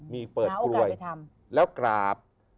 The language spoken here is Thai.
มีเปิดกลวยแล้วกราบ